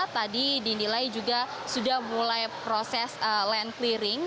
tadi dinilai juga sudah mulai proses land clearing